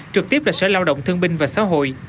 trực tiếp là sở lao động thương binh và xã hội